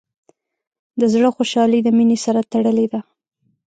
د زړۀ خوشحالي د مینې سره تړلې ده.